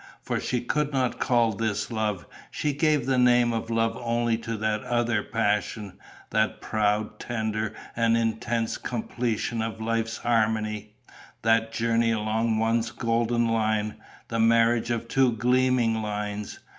For she could not call this love: she gave the name of love only to that other passion, that proud, tender and intense completion of life's harmony, that journey along one golden line, the marriage of two gleaming lines....